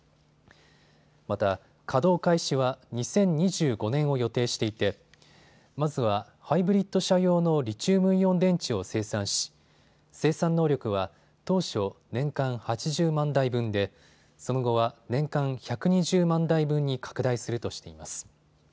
また稼働開始は２０２５年を予定していてまずはハイブリッド車用のリチウムイオン電池を生産し生産能力は当初、年間８０万台分でその後は年間１２０万台分に拡大するとしています。